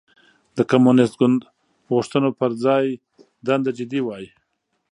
د کمونېست ګوند غوښتنو پر ځای دنده جدي وای.